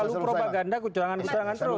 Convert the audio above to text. lalu propaganda kecurangan kecurangan terus